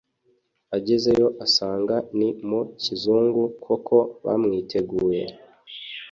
Agezeyo asanga ni mu kizungu koko bamwiteguye